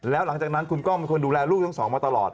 แล้วหลังจากนั้นคุณก้องเป็นคนดูแลลูกทั้งสองมาตลอด